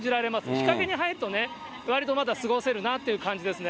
日陰に入るとね、割とまだ過ごせるなっていう感じですね。